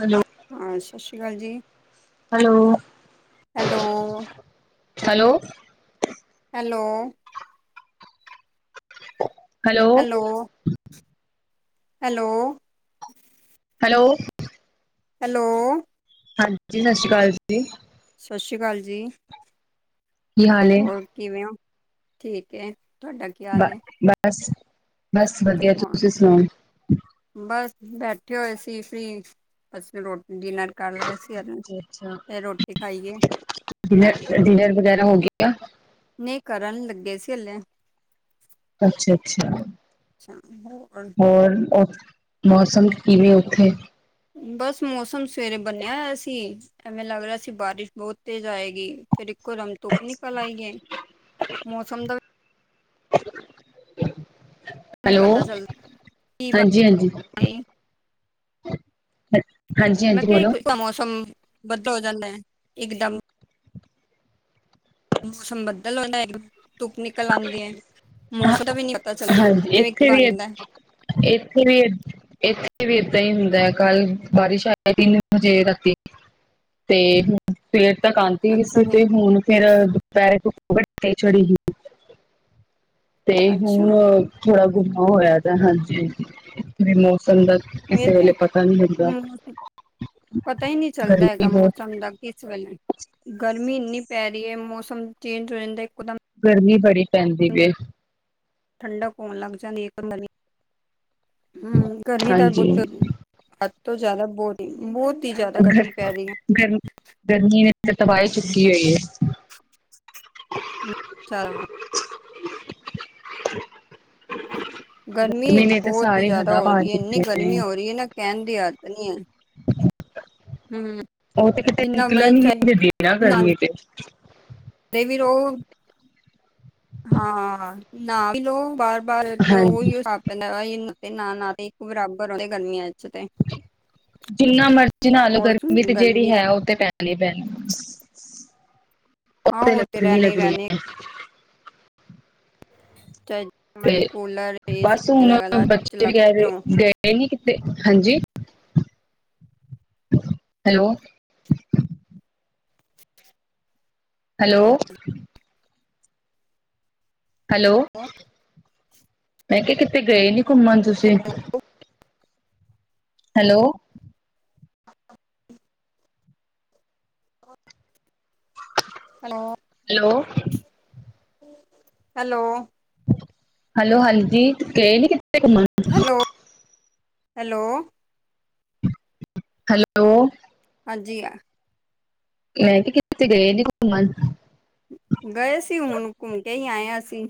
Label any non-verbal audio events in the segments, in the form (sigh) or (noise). Hello ਹਾਂ ਸਤਿ ਸ਼੍ਰੀ ਅਕਾਲ ਜੀ hello hello hello hello hello hello hello hello hello ਹਾਂਜੀ ਸਤਿ ਸ਼੍ਰੀ ਅਕਾਲ ਜੀ ਸਤਿ ਸ਼੍ਰੀ ਅਕਾਲ ਜੀ ਕੀ ਹਾਲ ਏ? ਹੋਰ ਕਿਵੇਂ ਹੋ ਠੀਕ ਹੈ, ਤੁਹਾਡਾ ਕੀ ਬ ਹਾਲ ਹੈ ਬਸ, ਬਸ ਵਧੀਆ। ਹਾਂ ਤੁਸੀਂ ਸੁਣਾਓ? ਬਸ ਬੈਠੇ ਹੋਏ ਸੀ ਫਰੀ, ਅਸੀਂ ਰੋਟੀ ਡਿਨਰ ਕਰ ਲਿਆ ਸੀ। ਅੱਛਾ। ਅੱਛਾ ਫੇਰ ਰੋਟੀ ਖਾਈਏ ਮੈਂ ਡਿਨਰ, ਡਿਨਰ ਵਗੈਰਾ ਹੋ ਗਿਆ? ਨਹੀਂ ਕਰਨ ਲੱਗੇ ਸੀ ਹਲੇ। ਅੱਛਾ, ਅੱਛਾ ਅੱਛਾ, ਹੋਰ? ਹੋਰ ਮੌਸਮ ਕਿਵੇਂ ਉੱਥੇ? ਬਸ ਮੌਸਮ ਸਵੇਰੇ ਬੰਣਿਆ ਹੋਇਆ ਸੀ ਐਵੇਂ ਲੱਗ ਰਿਹਾ ਸੀ ਬਾਰਿਸ਼ ਬਹੁਤ ਤੇਜ਼ ਆਏਗੀ ਫਿਰ ਇੱਕ ਦਮ ਧੁੱਪ ਨਿਕਲ ਆਈ ਗਏ ਮੌਸਮ ਦਾ (unintelligible) ਨਹੀਂ ਹੈਲੋ, ਪਤਾ ਚੱਲਦਾ ਕੀ ਹਾਂਜੀ -ਹਾਂਜੀ। ਬਣ ਹਾਂਜੀ, ਮੈਂ ਹਾਂਜੀ ਬੋਲੋ। ਕਿਹਾ ਮੌਸਮ ਬਦਲ ਹੋ ਜਾਂਦਾ ਹੈ ਇਕਦਮ ਮੌਸਮ ਬੱਦਲ ਉਹਦਾ ਧੁੱਪ ਨਿਕਲ ਆਉਂਦੇ ਹੈ ਹਾਂ, ਮੌਸਮ ਦਾ ਵੀ ਨ ਪਤਾ ਚ ਹਾਂਜੀ ਕਿਵੇਂ ਕੀ ਇੱਥੇ ਵੀ, ਬਣਦਾ ਇੱਥੇ ਵੀ ਇੱਥੇ ਵੀ ਏਦਾਂ ਹੀ ਹੁੰਦਾ ਹੈ ਕੱਲ ਬਾਰਿਸ਼ ਆ ਤਿੰਨ ਵਜੇ ਰਾਤੀ ਤੇ ਸਵੇਰ ਤੱਕ ਆਂਦੀਈ ਅੱਛਾ ਸੀ ਜੀ ਤੇ ਹੁਣ ਫੇਰ ਦੁਪਹਿਰੇ ਧੁੱਪ ਬਹੁਤ ਚੜੀ ਸੀ ਤੇ ਅੱਛਾ ਹੁਣ ਥੋੜਾ ਗੁੰਮ ਹੋਇਆ ਤਾਂ ਹਾਂਜੀ ਵੀ ਮੌਸਮ ਦਾ ਉਹ ਇਹ ਕਿਸੇ ਤੇ ਵੇਲੇ ਪਤਾ ਨੀ ਲੱਗਦਾ ਹ ਪਤਾ ਹੀ ਨਹੀਂ ਚੱਲਦਾ ਗਰਮੀ ਹੈਗਾ ਬਹੁਤ ਮੌਸਮ ਦਾ ਇਸ ਵੇਲੇ ਗਰਮੀ ਇੰਨੀ ਪੈ ਰਹੀ ਹੈ ਮੌਸਮ ਚੇਂਜ ਹੋ ਜਾਂਦਾ ਇੱਕਦਮ, ਗਰਮੀ ਬੜੀ ਪੈਂਦੀ ਵ ਠੰਡਕ ਹੋਣ ਲੱਗ ਜਾਂਦੀ ਇੱਕਨੀ ਹਮ ਗਰਮੀ ਦਾ ਹਾਂਜੀ ਬਹੁ ਅੱਦ ਤੋਂ ਜਿਆਦਾ ਬਹੁਤ ਹੀ ਬਹੁਤ ਜ਼ਿਆਦਾ ਗਰ ਗਰਮੀ ਪੈ ਰਹੀ ਹੈ। ਗਰ ਗਰਮੀ ਨੇ ਤਬਾਹੀ ਚੁੱਕੀ ਹੋਈ ਹੈ। ਚਾਰਣਾ। (inaudible) ਗਰਮੀ ਨੇ ਤੇ ਬਹੁਤ ਹੀ ਸਾਰੇ ਜ਼ਿਆਦਾ ਹੱਦਾਂ ਹੋ ਪਾਰ ਰਹੀ ਹੈ ਇੰਨੀ ਕੀਤੇ ਨੇ। ਗਰਮੀ ਹੋ ਰਹੀ ਹੈ ਨਾ ਕਹਿਣ ਦ ਆਦ ਨ ਆ ਹਮ ਉਹ ਤੇ ਕਿਤੇ ਜਿੰਨਾ ਬਈ ਨਿਕਲਣ ਹੀ ਚ ਨੀ ਦੇਣਾ ਗਰਮੀ ਤੇ ਦੇ ਵੀ ਰੋ ਹਾਂ ਨਾ ਲੋ ਬਾਰ -ਬਾਰ ਹਾਂਜੀ। ਉਹੀ ਪਦਾ ਤੇ ਨਾ- ਨਾ ਤੇ ਇੱਕ ਬਰਾਬਰ ਆਦੇ ਗਰਮੀਆਂ ਚ ਤੇ ਜਿੰਨਾ ਮਰਜੀ ਨਾ ਲਓ ਔਰ ਗਰਮੀ ਤੇ ਜਿਹੜੀ ਗਰਮੀ ਹੈ ਉਹ ਤੇ ਪੈ ਹਾਂ ਪੈ ਉਹ ਲੱ ਤੇ ਲੱਗਣੀ ਹੈ ਰਹਿਣੀ ਰਹਿਣੀ (unintelligible) ਚਾ ਤੇ ਬਸ ਹੁਣ ਬੱਚੇ ਵੀ ਚਲਾਉਂਦੇ ਕ ਰਹੋ ਗਏ ਕਿਤੇ ਹਾਂਜੀ, ਹੈਲੋ ਹੈਲੋ (unintelligible) ਹੈਲੋ, ਮੈਂ ਕਿਹਾ ਕਿਤੇ ਗਏ ਨੀ ਘੁੰਮਣ ਤੁਸੀਂ hello hello hello hello hello, ਹਾਂਜੀ ਗਏ ਨੀ ਕਿੱਤੇ ਘੁੰਮਣ ਹੈਲੋ -ਹੈਲੋ ਹੈਲੋ ਹਾਂਜੀ ਮੈਂ ਕਿਹਾ ਕਿ ਤੇ ਗਏ ਨੀ ਘੁੰਮਣ ਗਏ ਸੀ ਹੁਣ ਘੁੰਮ ਕੇ ਹੀ ਆਏ ਅਸੀਂ,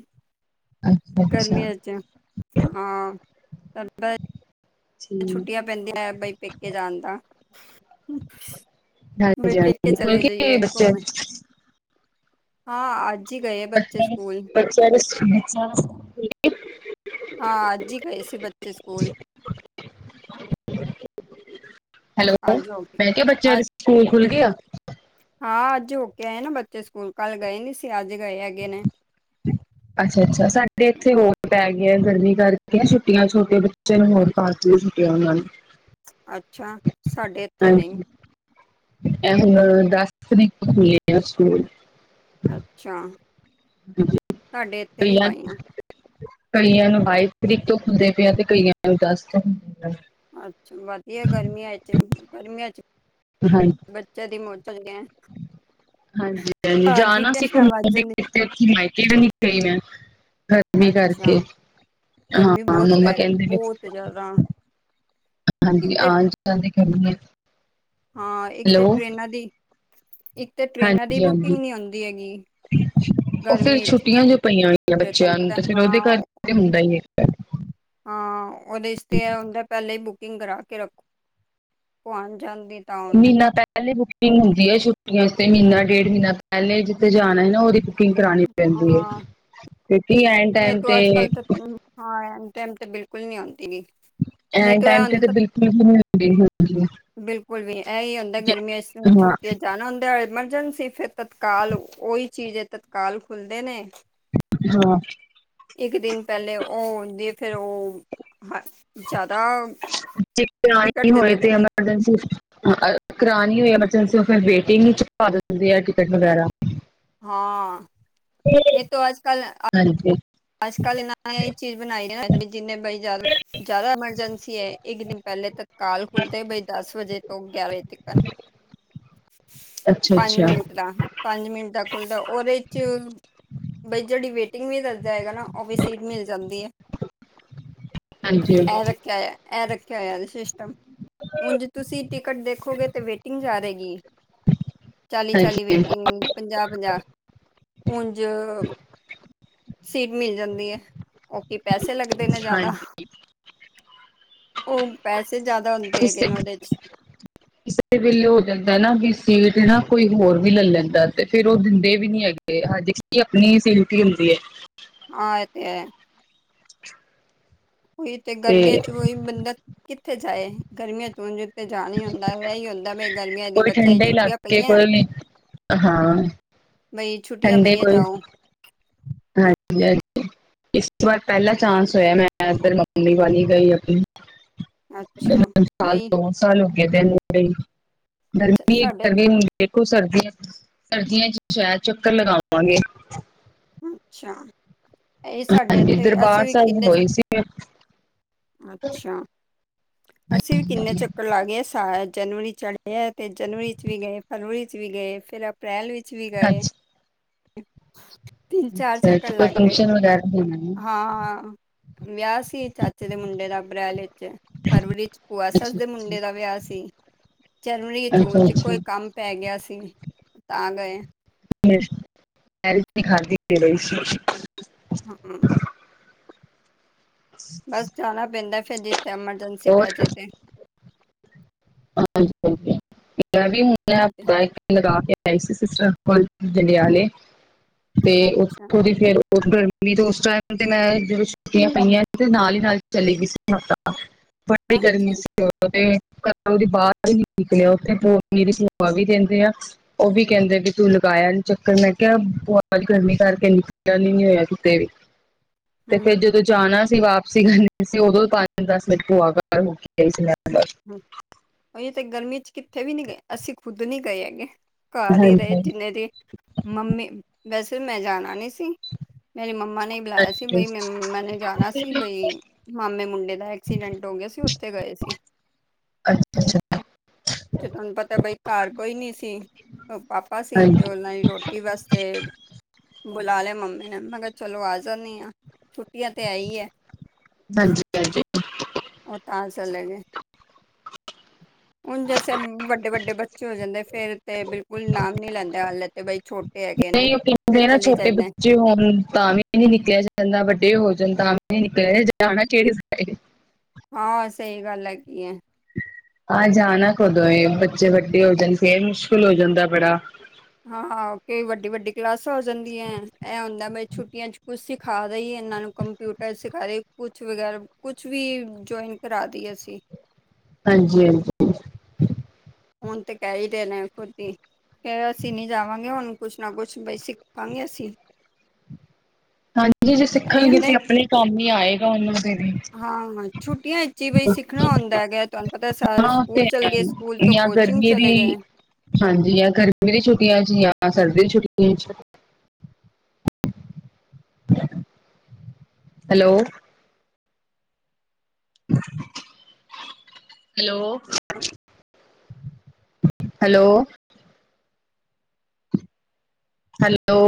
ਅੱਛਾ ਅੱਛਾ ਗਰਮੀਆਂ ਚ ਹਾਂ ਠੀਕ ਛੁੱਟੀਆਂ ਪੈਂਦੀਐ ਬਈ ਪੇਕੇ ਜਾਨ ਦਾ ਬ ਫਿ ਹਾਂਜੀ ਪੇਕੇ ਹਾਂਜੀ ਖੁੱਲ ਚਲੇ ਗਏ ਜਈਏ ਬੱਚੇ ਘੁੰਮ ਹਾਂ ਅੱ ਪਤਨੀ ਬੱਚਿਆਂ ਦੇ ਸਕੂਲ ਖੂਲਗੇ ਹਾਂ, ਅੱਜ ਹੀ ਗਏ ਸੀ ਬੱਚੇ ਸਕੂਲ ਹੈਲੋ, ਮੈਂ ਕਿਹਾ, ਬੱਚਿਆਂ ਦੇ ਸਕੂਲ ਖੁੱਲ ਗਏ ਆ? ਹਾਂ ਅੱਜ ਹੋ ਕੇ ਆਏ ਨਾ ਬੱਚੇ ਸਕੂਲ ਕੱਲ੍ਹ ਗਏ ਨੀ ਸੀ ਅੱਜ ਗਏ ਹੈਗੇ ਨੇ ਅੱਛਾ ਅੱਛਾ, ਸਾਡੇ ਇੱਥੇ ਹੋਰ ਪੈ ਗੀਏ ਗਰਮੀ ਕਰਕੇ ਛੁੱਟੀਆਂ ਛੋਟੇ ਬ ਚਲੋ ਹੋਰ ਪਾਰ (unintelligible) ਉਹਨਾ ਅੱਛਾ, ਸਾਡੇ ਏਥੇ ਨਹੀਂ ਹਾਂਜੀ ਇਹ ਹੁਨ ਦਸ ਤਰੀਕ ਨੂ ਖੁਲੇ ਗਾ ਸਕੂਲ ਅੱਛਾ ਸਾਡੇ ਇੱਥੇ ਨਹੀਂ ਪਾਈਆਂ (unintelligible) ਕਈਆਂ ਨੂੰ ਬਾਈ ਤਰੀਕ ਤੋਂ ਹੁੰਦੇ ਪਏ ਆ ਤੇ ਕਈਆਂ ਨੂੰ ਦਸ ਤੋਂ ਹੁੰਦੇ ਪ ਅੱਛਾ, ਵਧੀਆ ਗਰਮੀਆਂ ਚ ਗਰਮੀਆਂ ਚ ਹਾਂਜੀ ਜਦੀ ਮੋਜਾ (unintelligible) ਹਾਂਜੀ ਹਾਂਜੀ, ਜਾਣਾ ਸੀ ਟੈਨਸ਼ਨ ਘੁੰਮਣ ਵੱਧ (unintelligible) ਮੇ ਜਾਂਦੀ ਤੇ ਮਾਇਕੇ ਵੀ ਨਹੀਂ ਗਈ ਮੈਂ ਮੀਹ ਅੱਛਾ ਕਰਕੇ, ਹਾਂ ਗਰਮੀ ਬਹੁਤ ਮੰਮਾ ਪੈ ਰਹੀ ਕਹਿੰਦੇ ਬਹੁਤ ਜ਼ਿਆਦਾ ਇੱਕ ਹਾਂਜੀ, ਤੇ ਆਨ ਜਾਨ ਦੀ (unintelligible) ਹਾਂ ਇੱਕ ਤਾਂ ਹੈਲੋ ਟ੍ਰਰੇਨਾਂ ਦੀ, ਇੱਕ ਤਾਂ ਟ੍ਰੇਨਾਂ ਦੀ ਹਾਂਜੀ ਹਾਂਜੀ ਬੁਕਿੰਗ ਨੀ ਹੁੰਦੀ ਹੈਗੀ ਉਹ ਫੇਰ ਗਰਮੀ 'ਚ ਛੁੱਟੀਆਂ ਜੋ ਪਈਆਂ ਹੋਈਆਂ ਬੱਚਿਆਂ ਤੁਹਾਨੂੰ ਨੂੰ ਪਤਾ ਤੇ ਫੇਰ ਉਹਦੇ ਕਰ ਕੇ ਹਾਂ ਹੁੰਦਾ ਹੀ ਹਾਂ ਉਹਦੇ ਚ ਤੇ ਇਹ ਹੁੰਦੇ ਪਹਿਲੇ ਈ ਬੁਕਿੰਗ ਕਰਾ ਕੇ ਰੱਖੋ ਤੇ ਆਉਣ ਜਾਣ ਦੀ ਤਾਂ ਆਨਲਾਈਨ। ਮਹੀਨਾ ਪਹਿਲੇ ਬੁਕਿੰਗ ਹੁੰਦੀ ਹੈ ਛੁੱਟੀਆਂ ਚ ਤੇ ਮਹੀਨਾ ਡੇਢ ਮਹੀਨਾ ਪਹਿਲੇ ਜਿੱਥੇ ਜਾਣਾ ਹੈ ਨਾ ਉਹਦੀ ਬੂਕਿੰਗ ਕਰਾਣੀ ਪੈਂਦੀ ਹੈ, ਹਾਂ ਕਿਉਂਕਿ ਐਣ ਨਹੀਂ ਟਾਈਮ ਤੋ ਅੱਜ ਤੇ ਕੱਲ ਤਾਂ ਹਾਂ, ਐਨ ਟਾਈਮ ਤੇ ਬਿਲਕੁਲ ਨੀ ਹੁੰਦੀ ਏਨ ਟਾਈਮ ਤੇ ਬਿਲਕੁਲ ਵੀ ਨੀ ਹੁੰਦੀ ਬਿਲਕੁਲ ਵੀ ਏਹੀ ਹੁੰਦੇ ਜੇ ਗਰਮੀਆਂ ਚ ਤੇ ਹਾਂ ਛੁੱਟੀਆਂ ਜਾਣਾ ਹੁੰਦਾ ਐਮਰਜੈਂਸੀ ਫੇਰ ਤਤਕਾਲ, ਉਹੀ ਚੀਜ਼ ਏ ਤਤਕਾਲ ਖੁੱਲਦੇ ਨੇ ਹਾਂ ਇੱਕ ਦਿਨ ਪਹਿਲੇ ਉਹ ਹੁੰਦੀ ਫਿਰ ਉਹ ਜ਼ਿਆਦਾ ਟਿਕਟ ਦੇੰਦੇ ਨੇ (unintelligible) ਕਰਾਨੀ ਹੋਵੇ ਐਮਰਜੰਸੀ ੳ ਫੇਰ ਵੇਟਿੰਗ ਚ ਪਾ ਦਿੰਦੇ ਨੇ ਟਿਕਟ ਵਗੈਰਾ ਹਾਂ ਨਹੀਂ ਤੋ ਆਜ ਕਲ ਹਾਂਜੀ ਅੱਜ ਕੱਲ ਇਨਾ ਨੇ ਏ ਚੀਜ਼ ਬਣਾਈ ਰ ਜਿੰਨੇ ਬਾਈ ਜ਼ਿਆਦਾ ਜ਼ਿਆਦਾ ਐਮਰਜੈਂਸੀ ਹੈ। ਇੱਕ ਦਿਨ ਪਹਿਲੇ ਤਤਕਾਲ ਖੁੱਲਦੇ ਬਈ ਦਸ ਵਜੇ ਤੋਂ ਗਿਆਰਾਂ ਵਜੇ ਤੱਕਨ। ਅੱਛਾ ਪੰਜ ਅੱਛਾ ਮਿੰਟ ਦਾ, ਪੰਜ ਮਿੰਟ ਦਾ ਖੁੱਲਦਾ ਉਹਦੇ ਚ ਬਈ ਜੇਹੜੀ ਵੇਟਿੰਗ ਵੀ। ਹੈਗਾ ਨਾ ਉਹ ਵੀ ਸੀਟ ਮਿਲ ਜਾਂਦੀ ਐ ਇਹ। ਹਾਂਜੀ ਹਾਂਜੀ ਇਹ ਰੱਖਿਆ ਹੋਇਆ ਜੇ ਸਿਸਟਮ। ੳਨਜ ਤੁਸੀਂ ਟਿਕਟ ਦੇਖੋਗੇ ਤੇ ਵੇਟਿੰਗ ਜਾ ਰੇ ਗੀ। ਚਾਲੀ ਚਾਲੀ ਵੇਟਿੰਗ ਪੰਜਾਹ ਪੰਜਾਹ, ਉਂਝ। ਸੀਟ ਮਿਲ ਜਾਂਦੀ ਹੈ, ਓਹ ਕੀ ਪੈਸੇ ਲੱਗਦੇ ਨੇ ਜ਼ਿਆਦਾ। ਹਾਂਜੀ ਉਹ ਪੈਸੇ ਜ਼ਿਆਦਾ ਹੁੰਦੇ ਇਸ ਹੈਗੇ ਨੇ ਤੇ ਉਹਦੇ 'ਚ। ਕਿਸੇ ਵੇਲੇ ਹੋ ਜਾਂਦਾ ਨਾ ਕਿ ਸੀਟ ਨਾ ਕੋਈ ਹੋਰ ਵੀ ਲੈ ਲੈਂਦਾ ਤੇ ਫੇਰ ਉਹ ਦਿੰਦੇ ਵੀ ਨੀ ਹੈਗੇ। ਤੇ ਹ ਆਪਣੀ ਸਲਟੀ ਹੁੰਦੀ ਹੈ ਹਾਂ ਇਹਏ ਤੇ ਉਹੀ ਤੇ ਗਰਮੀਆਂ ਚ ਉਹੀ ਬੰਦਾ ਕਿੱਥੇ ਜਾਏ ਗਰਮੀਆਂ ਚ ਤੇ ਜਾਣ ਹੀ ਹੁੰਦਾ ਇਹੀ ਹੁੰਦਾ ਮ ਕੋਈ ਠੰਡੇ ਇਲਾਕੇ ਕੋਈ ਨਹੀਂ। ਹਾਂ ਬਈ ਛੁੱਟੀਆਂ ਠੰਡੇ ਪਈਆਂ ਕੋਈ। ਜਾਓ ਹਾਂਜੀ। ਇਸ ਵਾਰ ਪਹਿਲਾ ਚਾਂਸ ਹੋਇਆ ਮੈਂ ਇਧਰ ਮੰਨਾਲੀ ਵੱਲ ਗਈ ਹੂੰ। ਅੱਛਾ ਸਾਲ ਨਹੀਂ ਦੋ ਸਾਲ ਹੋ ਗਏ ਤੈਨੂੰ ਗਈ ਨੂੰ। ਅੱਛਾ ਗਰਮੀ ਸਾਡੇ ਗਰਮੀ ਦੇਖੋ ਸਰਦੀਆਂ ਸਰਦੀਆਂ 'ਚ ਸ਼ਾਇਦ ਚੱਕਰ ਲਗਾਵਾਂਗੇ। ਅੱਛਾ ਇਹ ਸਾਡੇ ਹਾਂਜੀ ਉੱਥੇ ਵੀ ਅਸੀਂ ਦਰਬਾਰ ਵੀ ਸਾਹਿਬ ਕਿੰਨੇ 'ਚ। ਹੋਈ ਸੀ ਅੱਛਾ ਅਸੀਂ ਵੀ ਕਿੰਨੇ ਹਾਂਜੀ ਚੱਕਰ। ਚੱਕਰ ਲਾ ਗਿਆ ਸਾਰੇ 'ਚ ਜਨਵਰੀ ਚੜਿਆ ਤੇ ਜਨਵਰੀ 'ਚ ਵੀ ਗਏ, ਫਰਵਰੀ 'ਚ ਵੀ ਗਏ ਫਿਰ ਆਪਾਂ। ਅਪ੍ਰੈਲ ਵਿੱਚ ਵੀ ਗਏ। ਹੂੰ ਤਿੰਨ ਚਾਰ ਚੱਕਰ ਅੱਛਾ ਕੋਈ ਲੱਗ ਗਏ ਫੰਕਸ਼ਨ ਵਗੈਰਾ ਹੋਣਾ ਹੈ ਹਾਂ। ਵਿਆਹ ਸੀ ਚਾਚੇ ਦੇ ਮੁੰਡੇ ਦਾ ਅਪ੍ਰੈਲ ਵਿੱਚ। ਫਰਵਰੀ 'ਚ ਭੂਆ ਸੱਸ ਅੱਛਾ ਦੇ ਮੁੰਡੇ ਦਾ ਅੱਛਾ ਵਿਆਹ ਸੀ। ਜਨਵਰੀ 'ਚ ਅੱਛਾ ਉਂਝ ਅੱਛਾ ਕੋਈ ਕੰਮ। ਪੈ ਗਿਆ ਸੀ ਤਾਂ ਗਏ। ਮੈਂ ਖਾਂਦੀ ਪਈ ਸੀ। ਹੂੰ। ਬਸ ਜਾਣਾ ਪੈਂਦਾ ਫੇਰ ਜਿੱਥੇ ਐਮਰਜੈਂਸੀ ਪੈ ਬਹੁਤ ਜੇ ਤੇ। ਹਾਂਜੀ ਹਾਂਜੀ ਮੈਂ ਵੀ ਹੁਣੇ ਹਾਂਜੀ ਆਪਣਾ ਚੱਕਰ ਲਗਾ ਕੇ। ਆਈ ਸੀ ਸਿਸਟਰ ਕੋਲ ਜੰਡਿਆਲੇ ਤੇ ਅੱਛਾ ਉਥੋਂ ਦੀ ਫੇਰ। ਹੋਰ ਫੇਰ ਗਰਮੀ ਤੇ ਉਸ ਟਾਈਮ ਤੇ ਮੈਂ ਜਦੋਂ ਛੁੱਟੀਆਂ ਪਈਆਂ ਸੀ ਤੇ ਨਾਲ ਹੀ ਨਾਲ ਚਲੀ ਗਈ ਸੀ ਮਾਤਾ। ਬੜੀ ਹਾਂਜੀ ਗਰਮੀ ਸੀ ਉਹ ਤੇ। ਉਹਦੀ ਬਾਹਰ ਵੀ ਨਹੀਂ ਨਿਕਲਿਆ ਉੱਥੇ ਮੇਰੀ ਭੂਆ ਵੀ ਰਹਿੰਦੇ ਆ। ਉਹ ਵੀ ਕਹਿੰਦੇ ਵੀ ਤੂੰ ਲਗਾਇਆ ਨਹੀਂ ਚੱਕਰ ਮੈਂ ਕਿਹਾ ਭੂਆ ਜੀ ਗਰਮੀਂ ਕਰਕੇ ਮਨ ਨਹੀਂ ਹੋਇਆ ਕਿਤੇ ਵੀ। (inaudible) ਤੇ ਫਿਰ ਜਦੋਂ। ਜਦੋਂ ਜਾਣਾ ਸੀ ਵਾਪਸੀ ਕਰਨੀ ਸੀ ਉਦੋਂ ਪੰਜ ਦਸ ਮਿੰਟ ਭੂਆ ਘਰ ਹੋ ਕੇ ਆਈ ਸੀ ਮੈਂ ਬਸ। ਹੂੰ। ਇਹ ਤੇ ਗਰਮੀ 'ਚ ਕਿੱਥੇ ਵੀ ਨੀ ਗਏ ਅਸੀਂ ਖੁੱਦ ਨੀ ਗਏ ਹੈਗੇ ਘਰ ਹੀ ਰਹੇ ਹਾਂਜੀ। ਜਿੰਨੇ ਦਿਨ। ਮੰਮੀ ਵੈਸੇ ਮੈਂ ਜਾਣਾ ਨੀ ਸੀ ਮੇਰੀ ਮੰਮਾ ਨੇ। ਬੁਲਾਇਆ ਸੀ ਹਾਂਜੀ ਬਈ ਮੈਂ ਮੈਨੇ ਜਾਣਾ ਸੀ ਬਈ। ਮਾਮੇ ਮੁੰਡੇ ਦਾ ਐਕਸੀਡੈਂਟ ਹੋ ਗਿਆ ਸੀ। ਉੱਥੇ ਗਏ ਸੀ। ਅੱਛਾ ਅੱਛਾ। ਤੇ ਤੁਹਾਨੂੰ ਪਤਾ ਬਈ ਘਰ ਕੋਈ ਨੀ ਸੀ ਪਾਪਾ ਸੀ ਤੇ ਹਾਂਜੀ ਉਹਨਾਂ ਹੀ ਰੋਟੀ। ਰੋਟੀ ਵਾਸਤੇ ਬੁਲਾ ਲਇਆ ਮੰਮੀ ਨੇ ਮੈਂ ਕਿਹਾ ਚਲੋ ਆ ਜਾਣੀਂ ਹਾਂ। ਛੁੱਟੀਆਂ ਤੇ ਆਈ ਐ। ਹਾਂਜੀ ਹਾਂਜੀ ਉਹ ਤਾਂ ਚਲੇ ਗਏ। ਹੁਣ ਜੈਸੇ ਵੱਡੇ-ਵੱਡੇ ਬੱਚੇ ਹੋ ਜਾਂਦੇ ਫੇਰ ਤੇ ਬਿਲਕੁਲ ਨਾਮ ਨੀ ਲੈਂਦੇ ਹਲੇ। ਤੇ ਬਈ ਛੋਟੇ ਹੈਗੇ ਨੇ ਫਿਰ ਚਲੇ ਹੀ ਜਾਣਾ। ਤੇ ਹੁਣ ਤਾਂ ਵੀ ਨੀ ਨਿਕਲਿਆ ਜਾਂਦਾ, ਵੱਡੇ ਹੋ ਜਾਣ ਤਾਂ ਵੀ ਨੀ ਨਿਕਲਿਆ ਜਾਣਾ ਕਿਹੜੀ ਹਾਂ ਸਹੀ ਗੱਲ ਹੈਗੀ ਐ। ਆਹ ਜਾਣਾ ਕਦੋਂ ਏ, ਬੱਚੇ ਵੱਡੇ ਹੋ ਜਾਣ ਫੇਰ ਮੁਸ਼ਕਿਲ ਹੋ ਜਾਂਦਾ ਏ ਬੜਾ। ਹਾਂ ਹਾਂ, ਕਈ ਵੱਡੀ ਵੱਡੀ ਕਲਾਸਾਂ ਹੋ ਜਾਂਦੀਆਂ ਇਹ ਹੁੰਦਾ ਏ ਬਈ ਛੁੱਟੀਆਂ ਚ ਕੁਝ ਸਿਖਾ ਦੇਇਏ ਇਹਨਾਂ ਨੂੰ ਕੰਮ ਕੰਪਿਊਟਰ ਸਿਖਾਏ ਕੁਛ ਵਗੈਰਾ ਕੁਛ ਵੀ ਜੌਈਨ ਕਰਾ ਦੇਇਏ ਅਸੀਂ। ਹਾਂਜੀ-ਹਾਂਜੀ। ਹੁਣ ਤੇ ਕਹਿ ਹੀ ਰਹੇ ਨੇ ਏ ਖੁਦ ਹੀ। ਕਿ ਅਸੀਂ ਨਹੀਂ ਜਾਵਾਂਗੇ ਹੁਣ ਕੁਛ ਨਾ ਕੁਛ ਬਈ ਸਿੱਖਾਂਗੇ ਅਸੀਂ। ਹਾਂਜੀ ਜੇ ਇਹੀ ਸਿੱਖਣਗੇ ਹੁੰਦਾ ਤੇ ਆਪਣੇ ਕੰਮ ਹੀ ਆਏਗਾ ਉਹਨਾਂ ਦੇ ਲਈ। ਹਾਂ ਛੁੱਟੀਆਂ 'ਚ ਹੀ ਬਈ ਸਿੱਖਣਾ ਹੁੰਦਾ ਹੈਗਾ ਤੁਹਾਨੂੰ ਪਤਾ ਸਾਰੇ ਹਾਂ ਉਹ ਤੇ ਸਕੂਲ ਚੱਲ ਹੈ ਗਏ। ਸਕੂਲ ਤੋਂ ਜਾਂ ਕੋਚਿੰਗ ਗਰਮੀ ਚਲੇ ਦੀ ਗਏ। ਹਾਂਜੀ ਜਾਂ ਗਰਮੀ ਦੀ ਛੁੱਟੀਆਂ 'ਚ ਜਾਂ ਸਰਦੀ ਦੀ ਛੁੱਟੀਆਂ 'ਚ। (unintelligible) Hello hello hello, hello,